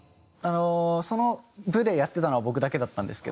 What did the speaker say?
その部でやってたのは僕だけだったんですけど。